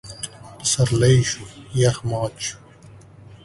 پسرلی شو؛ يخ مات شو.